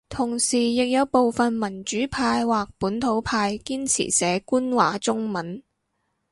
同時亦有部份民主派或本土派堅持寫官話中文